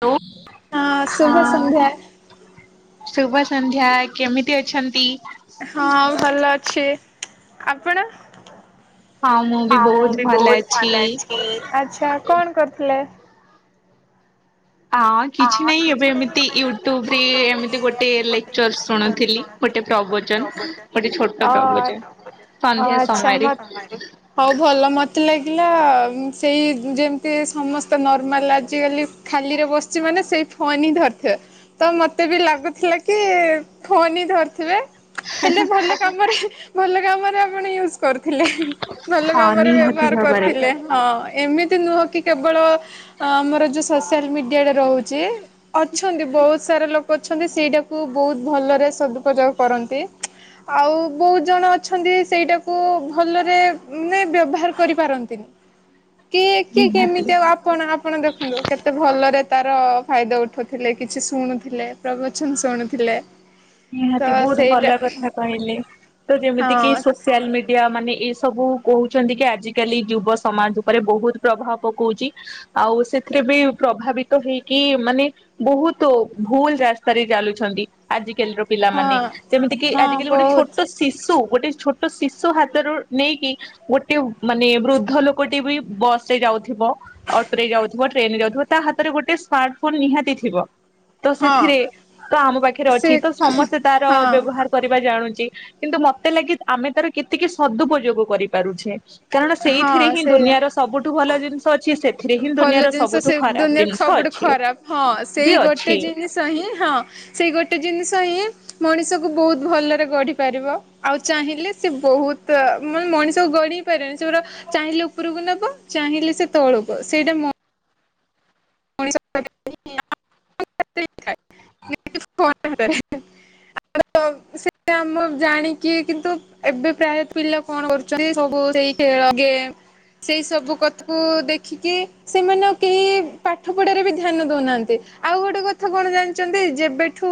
Hello ହଁ ହଁ ଶୁଭସନ୍ଧ୍ୟା ଶୁଭ ସନ୍ଧ୍ୟା କେମିତି ଅଛନ୍ତି। ହଁ ଭଲ ଅଛି। ଆପଣ? ହଁ ହଁ ମୁଁ ବହୁତ ବି ଭଲ ବହୁତ ଅଛି। ଭଲ ଅଛି ଆଛା କଣ କରୁଥିଲେ? ହଁ କିଛି ନାହିଁ ଏବେ ଏମିତି ୟୁଟ୍ୟୁବରେ ଏମିତି ଗୋଟେ ଲେକ୍ଚର ଶୁଣୁଥିଲି ଗୋଟେ ପ୍ରବଚନ ଗୋଟେ ଛୋଟ ଅ ପ୍ରବଚନ ସନ୍ଧ୍ୟା ଆଚ୍ଛା ସମୟରେ ମତ ହଉ ଭଲ ମତେ ଲାଗିଲା ସେଇ ଯେମିତି ସମସ୍ତ ନର୍ମାଲ ଆଜିକାଲି ଖାଲିରେ ବସ ବସଛିମାନେ ସେଇ ଫୋନ୍ ହିଁ ଧରିଥିବେ ତ ମତେ ବି ଲାଗୁଥିଲା କି ଫୋନ୍ ହିଁ ଧରିଥିବେ ହେଲେ ଭଲ କାମରେ ଭଲ କାମରେ ଆପଣ ୟୁଜ କରିଥିଲେ ଭଲ ହଁ କାମରେ ନିହାତି ବ୍ୟବହାର ଭାବରେ କରୁଥିଲେ ହଁ। ଏମିତି ନୁହଁ କି କେବଳ ଆମର ଯୋଉ ସୋସିଆଲ ମିଡି ରହୁଛି ଅଛନ୍ତି ବହୁତ ବହୁତ ସାରା ଲୋକ ଅଛନ୍ତି ସେଇଟାକୁ ବହୁତ ଭଲରେ ସଦୁପଯୋଗ କରନ୍ତି ଆଉ ବହୁତ ଜଣ ଅଛନ୍ତି ସେଇଟାକୁ ଭଲରେ ନାଇଁ ବ୍ୟବହାର କରିପାରନ୍ତିନି। କିଏ କିଏ ନିହାତି। କେମିତି ଆଉ ଆପଣ ଆପଣ ଦେଖନ୍ତୁ କେତେ ଭଲରେ ତାର ଫାଇଦା ଉଠଉଥିଲେ କିଛି ଶୁଣୁଥିଲେ ପ୍ରବଚନ ଶୁଣୁଥିଲେ ତ ନିହାତି ବହୁତ ସେଇଟା ଭଲ କଥା କହିଲେ ତ ଯେମିତି କି ହଁ ସୋସିଆଲ ମିଡିଆ ମାନେ ଏ ସବୁ କହୁଛନ୍ତି କି ଆଜିକାଲି ଯୁବ ସମାଜ ଉପରେ ବହୁତ ପ୍ରଭାବ ପକାଉଛି। ଆଉ ସେଥିରେ ବି ପ୍ରଭାବିତ ହେଇକି ମାନେ ବହୁତ ଭୁଲ ରାସ୍ତାରେ ଚାଲୁଛନ୍ତି ଆଜି କାଲି ର ପିଲାମାନେ ହଁ ଯେମିତିକ ହଁ ଆଜିକାଲି ଗୋଟେ ବହୁତ ଛୋଟ ଶିଶୁ ଗୋଟେ ଛୋଟ ଶିଶୁ ହାତରୁ ନେଇକି ଗୋଟେ ମାନେ ବୃଦ୍ଧ ଲୋକଟି ବି ବସ ରେ ଯାଉଥିବ ଅଟୋ ରେ ଯାଉଥିବ ଟ୍ରେନ ରେ ଯାଉଥିବ ତା ହାତରେ ଗୋଟେ ସ୍ମାର୍ଟ ଫୋନ ନିହାତି ଥିବ। ତ ହଁ ସେଥିରେ ତ ଆମ ପାଖରେ ସେ ଅଛି। ସମସ୍ତେ ତାର ହଁ ବ୍ୟବହାର କରିବା ଜାଣୁଛି କିନ୍ତୁ ମତେ ଲାଗେ ଆମେ ତାର କେତିକି ତାର ସଦୁପୋଯୋଗ କରିପାରୁଛେ। କାରଣ ସେଇଥିରେ ହଁ ହିଁ ସେଇଆ। ଦୁନିଆର ସବୁଠୁ ଭଲ ଜିନିଷ ଅଛି। ସେଥିରେ ହିଁ ଭଲ ଦୁନିଆର ଜିନିଷ ସବୁଠୁ ସେ ଖରାପ ଦୁନିଆରେ ଜିନିଷ ସବୁଠୁ ଅଛି ଖରାପ ହଁ ବି ସେଇ ଗୋଟେ ଅଛି ଜିନିଷ ହିଁ ହଁ ସେଇ ଗୋଟେ ଗୋଟେ ଜିନିଷ ହିଁ ମଣିଷକୁ ବହୁତ ଭଲରେ ଗଢିପାରିବ। ଆଉ ଚାହିଁଲେ ସେ ବହୁତ ମାନେ ମଣିଷକୁ ଗଢିପାରେନି ସେ ଗୁରା ଚାହିଁଲେ ଉପରକୁ ନବ ଚାହିଁଲେ ସେ ତଳକୁ ସେଇଟା ମୁଁ [unintelligible] [unintelligible] କ ଆ ହେଟାରେ ଆମ ଜାଣିକି କିନ୍ତୁ ଏବେ ପ୍ରାୟ ପିଲା କଣ କରୁଛନ୍ତି ସେ ସବୁ ସେଇ ଖେଳ ଗେମ ସେଇ ସବୁ କଥାକୁ ଦେଖିକି ସେମାନେ କେହି ପା ପାଠପଢିବାରେ ବି ଧ୍ୟାନ ଦଉନାହାନ୍ତି ଆଉ ଗୋଟେ କଥା କଣ ଜାଣିଛନ୍ତି ଯେବେଠୁ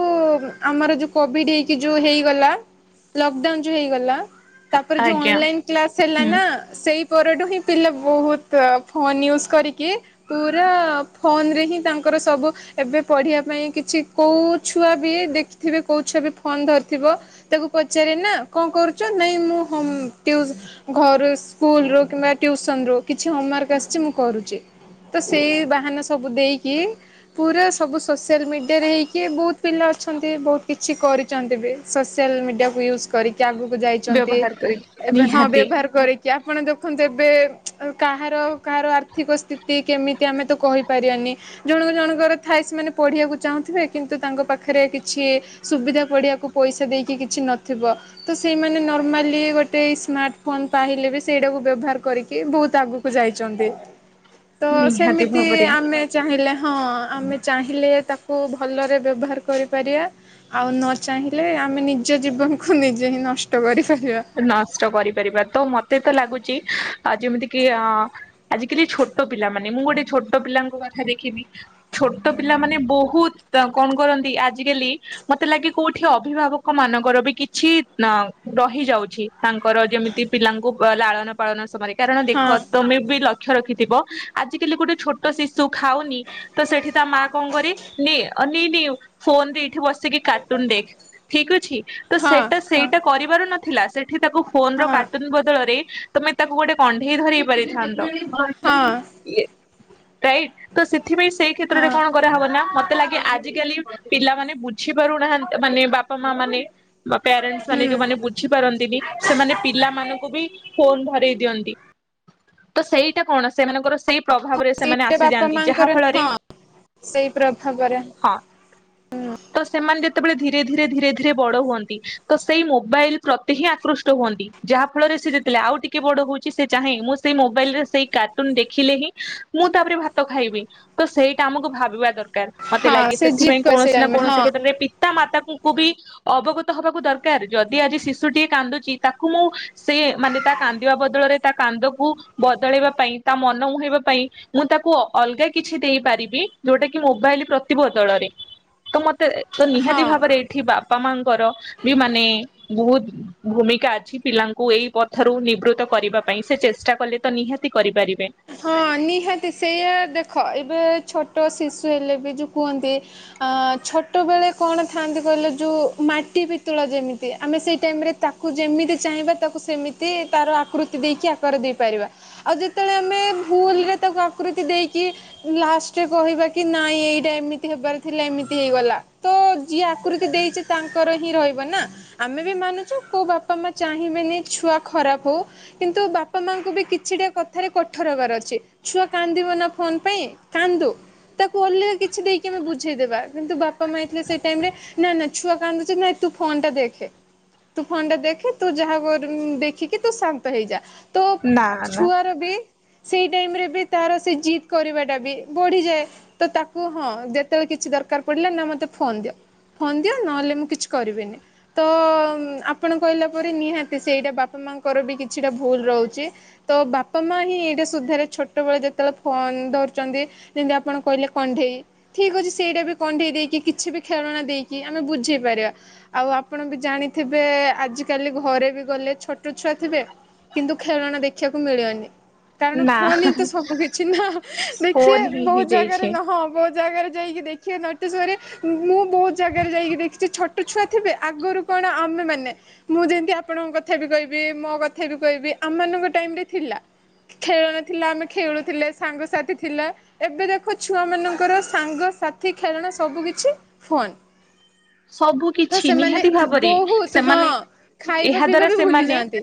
ଆମର ଯୋଉ କୋଭିଡ ହେଇକି ଯୋଉ ହେଇଗଲା ଲକଡାଉନ ଯୋଉ ହେଇଗଲା। ତାପରେ ଯୋଉ ଆଜ୍ଞା ଅନଲାଇନ କ୍ଲାସ ହେଲା ହୁଁ ନା ସେଇ ପରଠୁ ହିଁ ପିଲା ବହୁତ ଫୋନ ୟୁଜ କରିକି ପୁରା ଫୋନ ରେ ହିଁ ତାଙ୍କର ସବୁ ଏବେ ପଢିବା ପାଇଁ କିଛି କୋଉ ଛୁଆ ବି ଦେଖିଥିବେ କୋଉ ଛୁଆ ବି ଫୋନ ଧରିଥିବ ତାକୁ ପଚାରେ ନା କଣ କରୁଛ ନାଇଁ ମୁଁ ହମ ଘରୁ ସ୍କୁଲ ରୁ କିମ୍ବା ଟିଉସନ ରୁ କିଛି ହୋମୱାର୍କ ଆସିଛି ମୁଁ କରୁଛି ତ ସେଇ ବାହାନା। ସବୁ ଦେଇକି ପୁରା ସବୁ ସୋସିଆଲ ମିଡ଼ିଆରେ ହେଇକି ବହୁତ ପିଲା ଅଛନ୍ତି ବହୁତ କିଛି କରିୁଛନ୍ତି ବି ସୋସିଆଲ ମିଡ଼ିଆକୁ ୟୁଜ୍ କରି ଆଗକୁ ଯାଇଛନ୍ତି ବ୍ୟବହାର କରିକି ଏବେ ହଁ ନିହାତି ବ୍ୟବହାର କରିକି ଆପ ଆପଣ ଦେଖନ୍ତୁ ଏବେ କାହାର କାହାର ଆର୍ଥିକ ସ୍ଥିତି କେମିତି ଆମେ ତ କହି ଆନି ଜଣ ଜଣଙ୍କର ଥାଏ ସେମାନେ ପଢିବାକୁ ଚାହୁଁଥିବେ କିନ୍ତୁ ତାଙ୍କ ପାଖରେ କିଛି ସୁବିଧା ପଢିବାକୁ ପଇସା ଦେଇକି କିଛି ନଥିବ ତ ସେଇମାନେ ନର୍ମାଲି ଗୋଟେ ସ୍ମାର୍ଟ ଫୋନ ପାଇଲେ ବି ସେଇଟାକୁ ବ୍ୟବହାର କରିକି ବହୁତ ଆଗକୁ ଯାଇଛନ୍ତି। ତ ନିହାତି ସେମିତି ଭାବରେ ଆ ହଁ ଚାହିଁଲେ ହଁ ଆମେ ଚାହିଁଲେ ତାକୁ ଭଲରେ ବ୍ୟବହାର କରିପାରିଆ ଆଉ ନ ଚାହିଁଲେ ଆମେ ନିଜ ଜୀବନକୁ ନିଜେ ହିଁ ନଷ୍ଟ କରି ନଷ୍ଟ କରିପାରିବା ତ ମତେ ତ ଲାଗୁ ଆ ଯେମିତି କି ଆ ଆଜିକାଲି ଛୋଟ ପିଲା ମାନେ ମୁଁ ଗୋଟେ ଛୋଟ ପିଲାଙ୍କୁ କଥା ଦେଖିନି ଛୋଟ ପିଲା ମାନେ ବହୁତ କଣ କରନ୍ତି ଆଜିକାଲି ମତେ ଲାଗେ କୋଉଠି ଅଭିଭାବକ ମାନଙ୍କର ବି କିଛି ଅ ରହିଯାଉ ତାଙ୍କ କର ଯେମିତି ପିଲାଙ୍କୁ ଲାଳନ ପାଳନ ସମୟ ରେ କାରଣ ଦେଖ ହଁ ତମେ ବି ଲ ଲକ୍ଷ୍ୟ ରଖିଥିବ ଆଜିକାଲି ଗୋଟେ ଛୋଟ ଶିଶୁ ଖାଉନି ତ ସେଠି ତା ମା କଣ କରେ ନେ ଅ ନେ ନେଉ ଫୋନ ରେ ଏଠି ବସିକି କାର୍ଟୁନ ଦେଖ ଠିକ ଅଛି। ତ ହଁ ସେଇଟା ହଁ ସେଇଟା କରିବାରୁ ନା ଥିଲା। ଏଠି ତାକୁ ଫୋନର ହଁ କାର୍ଟୁନ ବଦଳରେ ତମେ ତାକୁ ଗୋଟେ କଣ୍ଢେଇ ଧରେଇ ପାରିଥାନ୍ତ। ହଁ [inaudible] ଇଏ ରାଇଟ୍, ତ ସେ ଏଥିପାଇଁ ସେଇ କ୍ଷେତ୍ରରେ ହଁ କଣ କରାହବ ନା ମତ୍ ମତେ ଲାଗେ ଆଜିକାଲି ପିଲାମାନେ ବୁଝି ପାରୁନାହା ମାନେ ବାପାମାଆ ମାନେ। ବା ପ୍ୟାରେଣ୍ଟସ୍ ମାନେ ହୁଁ। ଯୋଉମାନେ ବୁଝିପାରନ୍ ନ୍ତିନି ସେମାନେ ପିଲାମାନଙ୍କୁ ବି [inaudible] ଫୋନ୍ ଧରେଇ ଦିଅନ୍ତି, ତ ସେଇଟା କଣ ସେମାନଙ୍କର ସେଇ ପ୍ରଭାବରେ ସେମାନେ ସେ ବାପା ଆସିଯାଆନ୍ତି ଯାହା ମାଙ୍କର ଫଳରେ, ହଁ ସେଇ ପ୍ରଭାବରେ ହଁ, ତ ସେମାନେ ଯେତେବେଳେ ଧୀରେ ଧୀରେ ଧୀରେ ଧୀରେ ବଡ ହୁଅନ୍ତି ତ ସେଇ ମୋବାଇଲ ପ୍ର ହିଁ ଆକୃଷ୍ଟ ହୁଅନ୍ତି ଯାହା ଫଳରେ ସେ ଯେତେଳେ ଆଉ ଟିକେ ବଡ ହଉଛି ସେ ଚାହେଁ ମୁଁ ସେଇ ମୋବାଇଲରେ ସେଇ କାର୍ଟୁନ ଦେଖିଲେ ହିଁ ମୁଁ ତାପରେ ଭାତ ଖାଇବି ତ ସେଇଟା ଆମକୁ ଭାବିବା ଦର କାର, ମତେ ହଁ ଲାଗେ ସେ ଜିଦ୍ ସେଥିପାଇଁ କରି ସେ କୌଣସି ନା କୌଣସି ହଁ କ୍ଷେତ୍ରରେ ପିତା ମାତାଙ୍କୁ ବି। ଅବଗତ ହବାକୁ ଦରକାର ଯଦି ଆଜିି ଶିଶ୍ ଶୁଟିଏ କାନ୍ଦୁଛି ତାକୁ ମୁଁ ସେ ମାନେ ତା କାନ୍ଦିବା ବଦଳରେ ତା କାନ୍ଦକୁ ବଦଳେଇବା ପାଇଁ ତା ମନ ମୁହେଇବା ପାଇଁ ମୁଁ ତାକୁ ଅଲଗା କିଛି ଦେଇପାରିବି ଯୋଉଟା କି ମୋବାଇଲ ପ୍ରତି ବଦଳରେ, ତ ମତେ ତ ନିହାତି ହଁ। ଭାବରେ ଏଇଠି ବାପ୍ ବାପାମାଙ୍କର ବି ମାନେ ବହୁତ୍ ଭୂମିକା ଅଛି ପିଲାଙ୍କୁ ଏଇ ପଥରୁ ନିବୃତ୍ତ କରିବା ପାଇଁ ସେ ଚେଷ୍ଟା କଲେ ତ ନିହାତି କରିପାରିବେ। ହଁ ନିହାତି ସେଇଆ ଦେଖ ଏବେ ଛୋଟ ଶିଶୁ ହେଲେ ବି ଯୋଉ କୁହନ୍ତି ଛୋଟବେଳେ କଣ ଥାନ୍ତି କହିଲେ ଯୋଉ ମାଟି ପିତୁଳା ଯେମିତି ଆମେ ସେଇ ଟାଇମରେ ତାକୁ ଯେମିତି ଚାହିଁବା ତାକୁ ସେମିତି ତାର ଆକୃତି ଦେଇକି ଆକାର ଦେଇପାରିବା ଆଉ ଯେତେଳେ ଆମେ ଭୁଲ୍ [inaudible] ତାକୁ ଆକୃତି ଦେଇକି ଲାଷ୍ଟରେ କହିବା କି ନାଇଁ ଏଇଟା ଏମିତି ହେବାର ଥିଲା ଏମିତି ହେଇଗଲା ତ ଯିଏ ଆକୃତି ଦେଇଛି ତାଙ୍କର ହିଁ ରହିବ ନା ଆମେ ବି ମାନୁଛୁ କୋଉ ବାପାମାଆ ଚାହିଁବେନି ଛୁଆ ଖରାପ ହଉ କିନ୍ତୁ ବାପାମାଆଙ୍କୁ ବି କିଛିଟା କଥାରେ କଠୋର‌ ହବାର ଅଛି। ଛୁଆ କାନ୍ଦିବ ନା ଫୋନ୍ ପାଇଁ କାନ୍ଦୁ ତାକୁ ଅଲା କିଛି ଦେଇକି ଆମେ ବୁଝେଇଦବା କିନ୍ତୁ ବାପାମାଆ ହେଇଥିଲେ ସେଇ ଟାଇମରେ ଛୁଆ କାନ୍ଦୁଛି ନାଇଁ ତୁ ଫୋନଟା ଦେଖେ ତୁ ଫୋନଟା ଦେଖେ ତୁ ଯାହା କର ଦେଖିକି ତୁ ଶାନ୍ତ ହେଇଯା। ତୋ ନାଆ ନାଆ ଛୁଆର ବି ସେଇ ଟାଇମରେ [inaudible] ତାର ସେ ଜିଦ୍ କରିବାଟା ବି ବଢିଯାଏ ତ ତାକୁ ହଁ ଯେତେବେଳେ କିଛି ଦରକାର ପଡ଼ିଲା ନା ମତେ ଫୋନ୍ ଦିଅ ଫୋନ୍ ଦିଅ ନହେଲେ ମୁଁ କିଛି କରିବିନି ତ ଆପଣ କହିଲା ପରି ନିହାତି ସେଇଟା ବାପାମାଆଙ୍କର ବି କିଛିଟା ଭୁଲ୍ ରହୁଛି ତ ବାପାମାଆ ହିଁ ଏଇଟା ସୁଧାରେ ଛୋ ଛୋଟବେଳେ ଯେତେବେଳେ ଫୋନ ଧରୁଛନ୍ତି ଯେମିତି ଆପଣ କହିଲେ କଣ୍ଢେଇ, ଠିକ୍ ଅଛି ସେଇଟା ବି କଣ୍ଢେଇ ଦେଇକି କିଛି ବି ଖେଳଣା ଦେଇକି ଆମେ ବୁଝେଇ ପାରିବା ଆଉ ଆପଣ ବି ଜାଣିଥିବେ ଆଜି କାଲି ଘରେ ବି ଗଲେ ଛୋଟ ଛୁଆ ଥିବେ କିନ୍ତୁ ଖେଳଣା ଦେଖିବାକୁ ମିଳେନି। ନାଆ ହାଁ-ହାଁ। [inaudible] କିଛି ନା ଦେଖିବେ ବହୁତ୍ ଜାଗାରେ ହେଇଯାଇଛି। ନ ହଁ ବହୁତ୍ ଜାଗାରେ ଯାଇକି ଦେଖିବେ ନୋଟିସ୍ କରିବେ, ମୁଁ ବହୁତ ଜାଗାରେ ଯାଇକି ଦେଖିଛି ଛୋଟ ଛୁଆ ଥିବେ ଆଗରୁ କଣ ଆମେମାନେ ମୁଁ ଯେମତି ଆପଣଙ୍କ କଥା ବି କହିବି ମୋ କଥା ବି କହିବି ଆମମାନଙ୍କ ଟାଇମରେ ଥିଲା ଖେଳଣା ଥିଲା ଆମେ ଖେଳୁଥିଲେ ସାଙ୍ଗସାଥି ଥିଲା ଏବେ ଦେଖ ଛୁଆମାନଙ୍କର ସାଙ୍ଗସାଥି ଖେଳଣା ସବୁ କିିଛି ଫୋନ୍। ସବୁ କିଛି ନିହାତି ଭାବରେ ବହୁତ ହଁ ସେମାନେ ଖାଇବା ଏହା ପିଇବା ଦ୍ଵାରା ବି ଭୁଲି ସେମାନେ ଯାଆନ୍ତି।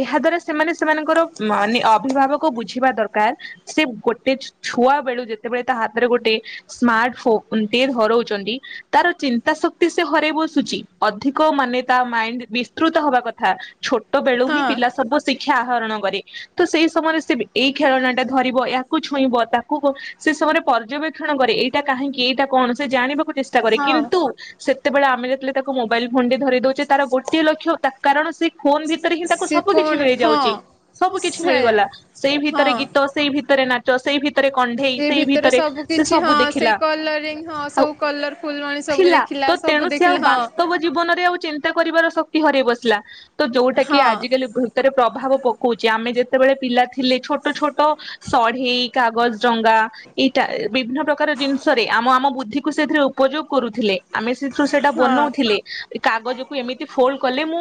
ଏହା ଦ୍ଵାରା ସେମାନେ ସେମାନଙ୍କର ମାନେ ଅପ୍ ଅଭିଭାବକ ବୁଝିବା ଦରକାର ସେ ଗୋଟେ ଛୁଆବେଳୁ ଯେତେବେଳେ ତା ହାତରେ ଗୋଟେ ସ୍ମାର୍ଟ ଫୋନଟିଏ ଧରଉଛନ୍ତି ତାର ଚିନ୍ତାଶକ୍ [inaudible] ହରେଇ ବସୁଛି ଅଧିକ ମାନେ ତା ମାଇଣ୍ଡ ବିସ୍ତୃତ ହବା କଥା ଛୋଟ୍ ଟ ବେଳୁ ହିଁ ହଁ ପିଲା ସବୁ ଶିଖ୍ ଆହରଣ କରେ ତ ସେଇ ସମୟରେ ସେ ଏଇ ଖେଳଣାଟା ଧରିବ ୟାକୁ ଛୁଇଁବ ତାକୁ ସେ ସମୟରେ ପର୍ଯ୍ୟବେକ୍ଷଣ କରେ ଏଇଟା କାହିଁକି ଏଇଟା କଣ ସେ ଜାଣିବ। କୁ ଚେଷ୍ଟା କରେ ହଁ। କିନ୍ତୁ ସେତେବେଳେ ଆମେ ଯେତେବେଳେ ତାକୁ ମୋବାଇଲ ଫୋନ େ ଧରି ଦଉଛେ ତାର ଗୋଟିଏ ଲକ୍ଷ୍ୟ କାରଣ ସେ। ଫୋନ ଭିତରେ ହିଁ ତାକୁ ସବୁ କିିଛି ସିକୋଣ ଫଁ ମିଳିଯାଉଛି ସବୁ କିିଛି ସେୟା ମିଳିଗଲା ସେଇ ଭିତରେ ଗୀତ ସେଇ ଭିତରେ ନାଚ ତ ସେଇ ଭିତରେ। କଣ୍ଢେଇ ସେଇ ଭିତରେ ସବୁ ସେ କିଛି ହଁ ସବୁ ଦେଖିଲା ସେଇ କଲରିଙ୍ଗ ହଁ ଆଉ ସବୁ କଲର ଫୁଲଣ ସବୁ ଥିଲା ଦେଖ ତ ତେଣୁ ସେ ଆଉ ବାସ୍ତବ ଜୀବନରେ ଆଉ ଚିନ୍ତା କରିବାର ଶକ୍ତି ହରାଇବସ ଥିଲା। ତ ଯୋଉଟା କି ହଁ ଆଜିକାଲି ଭତରେ ପ୍ରଭାବ। ପକଉଛେ ଆମେ ଯେତେବେଳେ ପିଲା ଥିଲେ ଛୋଟ ଛୋଟ ସଢେଇ କାଗଜ ଡଙ୍ଗା ଏଇଟା ବିଭିନ୍ନ ପ୍ରକାର ଜିନିଷରେ ଆମ ଆମ ବୁଦ୍ଧିକୁ ସେଥିରେ ଉପଯୋଗ କରୁଥିଲେ। ଆମେ ସେଥିରୁ ସେଇଟା ହଁ ବନଉଥିଲେ। କାଗଜକୁୁ ଏମିତି ଫୋଲଡ କଲେ ମୁଁ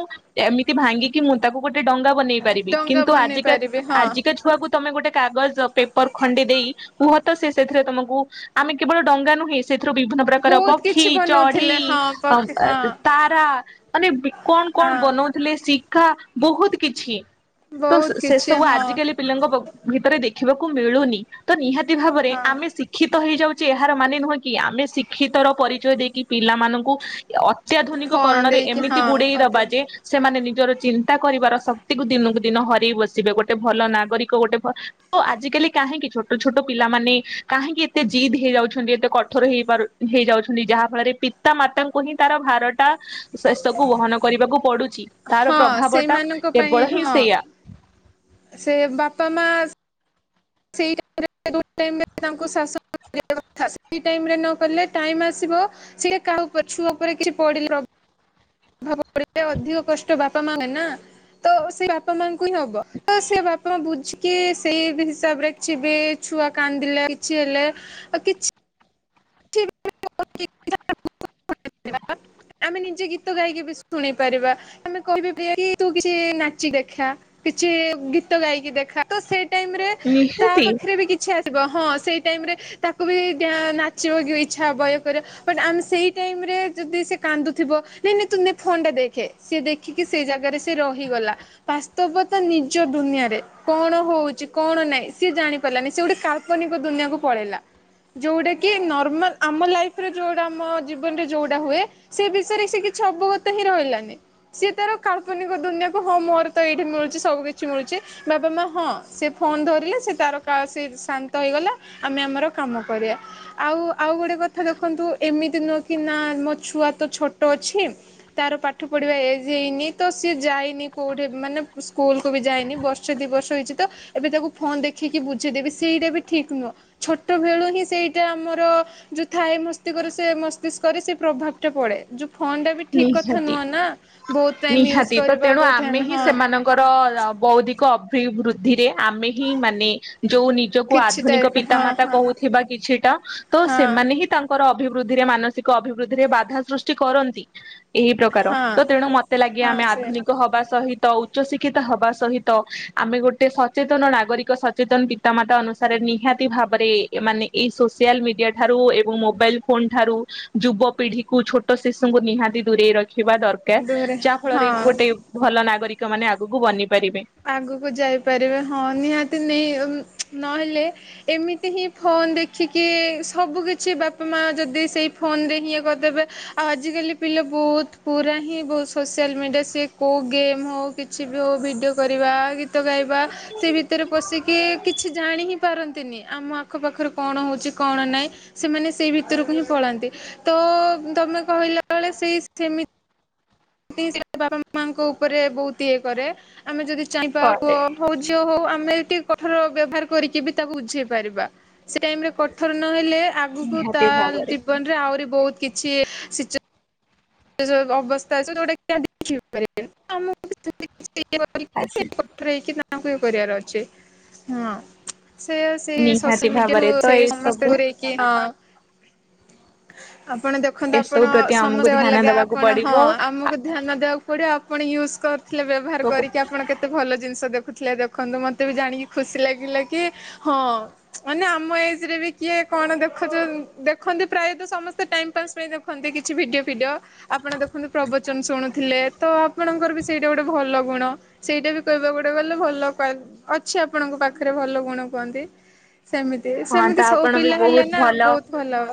ଏମିତି ଭାଙ୍ଗିକି ମୁଁ ତାକୁ ଗୋଟେ। ଗେ ଡଙ୍ଗା ବନେଇ ପାରିବି ଡଙ୍ଗା କିନ୍ତୁ ବନେଇ ଆଜିକା ପାରିବେ ହଁ ଆଜିକା ଛୁଆକୁ ତମେ ଗୋଟେ କାଗଜ ପେପର ଖଡି ଦେଇ ମୁ। ସେ ସେଥିରେ ତମକୁ ଆମେ କେବଳ ଡଙ୍ଗା ନୁହେଁ ସେଥିରୁ ବିଭିନ୍ନ ପ୍ରକାର ବହୁତ ପକ୍ଷୀ କିଛି ବନଉଥିଲେ ହଁ ପକ୍ଷୀ ହଁ ତାରା ମାନେ କଣ କଣ ହଁ ବନଉଥିଲେ ା ବହୁତ କିଛି। ତ ବହୁତ ସେ କିଛି ସବୁ ହଁ ଆଜିକାଲି ପିଲାଙ୍କ ଭିତରେ ଦେଖିବାକୁ ମିଳୁନି ତ ନିହାତି କି ଭାବରେ ହଁ ଆମେ ଶିକ୍ଷିତ ତ ହେଇଯାଉଚି ଏହାର ମାନେ ନୁହେଁ କି ଆମେ ଶିକ୍ଷିତର ପରିଚୟ ଦେଇ କି ପିଲାମାନଙ୍କୁ ଅତ୍ୟାଧୁନିକ ଫୋନ କରଣରେ ଦେଇକି ଏମିତି ହଁ ବୁଡେଇ ଅତେ ଦବା ଯେ ସେମାନେ ନି ନିଜର ଚିନ୍ତା କରିବାର ଶକ୍ତିକୁ ଦିନକୁ ଦିନ ହରେଇ ବସିବେ ଗୋଟେ ଭଲ ନାଗରିକ ଗୋଟେ ଭଲ ତ ଆଜିକାଲି କାହିଁକି ଛୋଟ ଛୋଟ ପିଲାମାନେ କାହିଁକି ଏତେ ଜିଦ୍ ହେଇଯାଉଛନ୍ତି ଏତେ କଠୋର ହେଇ ପାରୁ ହେଇଯାଉଛନ୍ତି ଯାହା ଫଳରେ ପିତା ମାତାଙ୍କୁ ହିଁ ତାର ଭାର ତା ଶେଷକୁ ବହନ କରିବାକୁ ପଡୁଚି ତାର ହଁ ପ୍ରଭାବ ଟା ସେଇମାନଙ୍କ ପାଇଁ କେବଳ ହିଁ ହଁ ସେୟା। ସେ ବାପା ମା [inaudible] ଜଣକୁ ଶାସନ କରିବା କଥା ସେଇ ଟାଇମରେ ନକଲେେ ଟାଇମ୍ ଆସିବ ସେ କାହା ଉପରେ ଛୁଆ ଉପରେ କିଛି ପଡ଼ିଲେ ରବ [inaudible] ଅଧିକ କଷ୍ଟ ବାପ ତ ମାନେନା ତ ସେ ବାପା ମାଙ୍କୁ ହିଁ ହବ ତ ସେ ବାପା ମା ବୁଝିକି ସେଇ ହିସାବ ରେ କିଛି ବି ଛୁଆ କାନ୍ଦିଲେ କିଛି ହେଲେ ଆଉ କିଛି ଆମେ ନିଜେ ଗୀତ ଗାଇକି ବି ଶୁଣି ପାରିବା ଆମେ କହିବି ବିହାରୀ ତୁ କିଛି ନାଚି ଦେଖା କିଛି ଗୀତ ଗାଇକି ଦେଖା ତ ସେ ଟାଇମରେ ତା ନିହାତି ପାଖରେ ବି କିଛି ଆ ହଁ ସେଇ ଟାଇମ ରେ ତାକୁ ବି ଡ୍ୟା ନାଚ ନାଚିବାକୁ ଇଛା ହବ ଏ କର ବଟ ଆମେ ସେଇ ଟାଇମ ରେ ଯଦି ସେ କାନ୍ଦୁଥିବ ନାଇଁ ନାଇଁ ତୁ ଫୋନ୍ ଟା ଦେଖେ ସି ଦେଖିକି ସେଇ ଜାଗାରେ ସେ ରହିଗଲା ବାସ୍ତବତା ନିଜ ଦୁନିଆରେ କଣ ହଉଛି କଣ ନାହିଁ ସିଏ ଜାଣିପାରିଲାନି ସେ ଗୋଟେ କାଳ୍ପନିକ ଦୁନିଆକୁ ପଳେଇଲା ଯୋଉଟା କି କି ନର୍ମାଲ ଆମ ଲାଇଫରେ ଯୋଉଟା ଆମ ଜୀବନରେ ଯୋଉଟା ହୁଏ ସେ ବିଷୟରେ ସେ କିଛି ଅବଗତ ହିଁ ରହିଲାନି ସେ ତାର କାଳ୍ପନିକ ଦୁନିଆକୁ ହଁ ମୋର ତ ଏଇଠି ମିଳୁଛି ସବୁ କିଛି ମିଳୁଛି ବାବା ମା ହଁ ସେ ଫୋନ୍ ଧରିଲେ ସେ ତାର ସେ ଶାନ୍ତ ହେଇଗଲା ଆମେ ଆମର କାମ କରିବା। ଆଉ ଆଉ ଗୋଟେ କଥା ଦେଖନ୍ତୁ ଏମିତି ନୁହେଁ କି ନା ମୋ ଛୁଆ ତ ଛୋଟ ଅଛି ତାର ପାଠ ପଢ଼ିବା ଏଜ ହେଇନି ତ ସିଏ ଯାଇନି କୋଉଠେ ମାନେ ସ୍କୁଲକୁ ବି ଯାଇନି ବର୍ଷେ ଦିବର୍ଷ ହେଇଛି ତ ଏବେ ତାକୁ ଫୋନ୍ ଦେଖିକି ବୁଝେଇଦେବି ସେଇଟା ବି ଠିକ୍ ନୁହଁ ଛୋଟବେେଳୁ ହିଁ ସେଇ ଟେ ଆମର ଯୋଉ ଥାଏ ମସ୍ତିକରେ ସେ ମସ୍ତିଷ୍କରେ ସେ ପ୍ରଭାବ ଟା ପଡେ ଯୁ ନିହାତି ବହୁତ ଟାଇମ ୟୁଜ ନିହାତି ତ କରିବା ତେଣୁ ବହୁତ ଆମେ ଟାଇମ ହିଁ ହଁ ସେମାନଙ୍କର ବୌଦ୍ଧିକ ଅଭିବୃଦ୍ଧି ଧୀରେ ଆମେ ହିଁ ମାନେ ଯୋଉ ନିଜକୁ କିଛି ଆଧୁନିକ ଟାଇପ ହଁ ପିତାମାତା ହଁ କହୁଥିବା କିଛିଟା ତ ହଁ ସେମାନେ ହିଁ ତାଙ୍କର ଅଭିବୃଦ୍ଧିରେ ମାନସିକ ଅଭିବୃଦ୍ଧିରେ ବାଧା ସୃଷ୍ଟି କରନ୍ତି। ଏହି ପ୍ରକାର, ହଁ ତ ତେଣୁ ମତେ ଲାଗେ ହଁ ଆମେ ସେ ଆଧୁନିକ ହବା ସହିତ ତ ଉଚ୍ଚଶିକ୍ଷିତ ହବା ସହିତ ଆମେ ଗୋଟେ ସଚେତନ ନାଗରିକ ସଚେତନ ପିତାମାତା ଅନୁସାରେ ନିହାତି ଭାବରେ ମାନେ ଏଇ ସୋସିଆଲ ମିଡିଆ ଠାରୁ ଏବଂ ମୋବାଇଲ ଫୋନ ଠାରୁ ଯୁବ ପିଢିକୁ ଛୋଟ ଶିଶୁଙ୍କୁ ନିହାତି [unintelligible] ରଖିବା ଦରକାର ଦୂରେ ଯାହା ଫଳରେ ହଁ ଗୋଟେ ଭଲ ନାଗରିକ କୋଉମାନେ ଆଗୁକୁ ବନିବ ଆଗକୁ ଯାଇପାରିବେ ହଁ ନିହାତି ନେ ନହେଲେ ଏମିତି ହିଁ ଫୋନ ଦେଖିକି ସବୁ କିଛି ବାପା ମା ଯଦି ସେଇ ଫୋନରେ ହିଁ ଇଏ କରିଦେବେ ଆଉ ଆଜିକାଲି ପିଲା ବହୁତ ପୁରା ହିଁ ବହୁତ ସୋସିଆଲ ମିଡ଼ିଆ ସେ କୋଉ ଗେମ୍ ହଉ କିଛି ବି ହଉ ଭିଡ଼ିଓ କରିବା ଗୀତ ଗାଇ ବା ସେ ଭିତରେ ପଶିକି କିଛି ଜାଣି ହିଁ ପାରନ୍ତିନି ଆମ ଆଖପାଖରେ କଣ ହଉଛି କଣ ନାହିଁ ସେମାନେ ସେଇ ଭିତରକୁ ହିଁ ପଳାନ୍ତି ତ ତମେ କହିଲା ବେଳେ ସେଇ ସେମିତି କି ସେ ବାପା ମାଙ୍କ ଉପରେ ବହୁତ ଇଏ କରେ ଆମେ ଯଦି ଚାହିଁବା ପରେ ପୁଅ ହଉ ଝିଅ ହଉ ଆ ଆମେ ଯେତିକି କଠୋର ବ୍ୟବହାର କରିକି ବି ତାକୁ ବୁଝେଇ ପାରିବା, ସେ ଟାଇମ୍ ରେ କଠୋର ନହେ ଲେ ଆଗକୁ ନିହାତି ତା ଭାବରେ ଜୀବନରେ ଆହୁରି ବହୁତ କିଛି ସିଚୁ ଅବସ୍ଥା ଯୋଉଟା କି [inaudible] [inaudible] ଆଗକୁ ଆସିଛି। ଇଏ କରିବାର ଅଛି, ହଁ ସେ-ସେଇ ନିହାତି ସୋସିଆଲ ମିଡିଆରୁ ଭାବରେ ତ ସେ ଏଇ ସମସ୍ତେ ସବୁ ଦୁରେଇକି ହଁ। ଆପଣ ଦେଖନ୍ତୁ ଏସବୁ ଆପଣ ପ୍ରତି ଆମକୁ ସମସ୍ତେ ଭଲ ଧ୍ୟାନ ଲାଗେ ଆଜ୍ଞା ଦବାକୁ ଆପଣ ହଁ ପଡିବ। ଆମକୁ ଧ୍ୟାନ ଦେବାକୁ ପଡିବ। ପଣ ୟୁଜ କର। ଥିଲେ ବ୍ୟବହାର କରିକି ଆପଣ କେତେ ଭଲ ଜିନିଷ ଦେଖୁଥିଲେ ଦେଖନ୍ତୁ ମତେ ବି ଜାଣିକି ଖୁସି ଲାଗିଲା କି ହଁ ମାନେ ଆମ ଏଜ ରେ ବି କିଏ କଣ ଦେଖଛ ଦେଖନ୍ତି ପ୍ରାୟତ ସମସ୍ତେ ଟାଇମ ପାସ୍ ପାଇଁ ଦେଖନ୍ତି କିଛି ଭିଡିଓ ଫିଡିଓ। ଆପଣ ଦେଖନ୍ତୁ ପ୍ରବଚନ ଶୁଣୁଥିଲେ ତ ଆପଣଙ୍କର ବି ସେଇଟା ଗୋଟେ ଭଲ ଗୁଣ ସେଇଟା ବି କହିବାକୁ ଗୋଟେ ଗଲେ ଭଲ କ୍ୱା ଅଛି ଆପଣଙ୍କ ପାଖରେ ଭଲ ଗୁଣ କୁହନ୍ତି। ସେମିତି ହଁ ତ ସେମିତି ସବୁ ଆପଣ ବି ପିଲା ହେଲେ ବହୁତ ନା ଭଲ। ବହୁତ ଭଲ।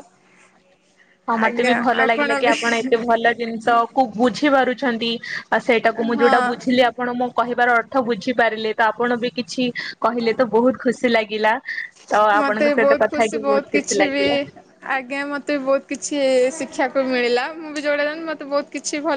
ହଁ ମତେ ବି ଆଜ୍ଞା ଭଲ ଆଉ ଲାଗିଲା କଣ କି ବି ଆପଣ ଏତେ ଭଲ ଜିନିଷ କୁ ବୁଝି ପାରୁଛନ୍ତି। ଆଉ ସେଇଟାକୁ ମୁଁ ଯୋଉଟା ହଁ ବୁଝିଲି ଆପଣ ମୋ କହିବାର ଥ ବୁଝି ପାରିଲେ ତ ଆପଣ ବି କିଛି କହିଲେ ତ ବହୁତ ଖୁସି ଲାଗେ। ଗିଲା। ମତେ ବି ବହୁତ ଖୁସି, ବହୁତ ଖୁସି କିଛି ବି ଲାଗିଲା। ଆଜ୍ଞା, ମତେ ବି ବହୁତ କିଛି କିଛି ଶିଖିବାକୁ ମିଳିଲା। ମୁଁ ବି ଯଉଁଟା ମତେ ବହୁତ କିଛି ଭଲ